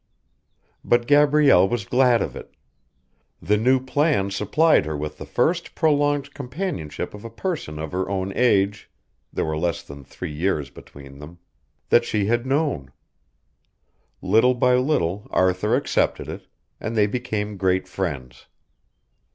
_" But Gabrielle was glad of it. The new plan supplied her with the first prolonged companionship of a person of her own age there were less than three years between them that she had known. Little by little Arthur accepted it, and they became great friends.